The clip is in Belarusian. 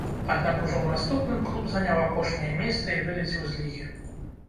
Аднак ужо ў наступным клуб заняў апошняе месца і вылецеў з лігі.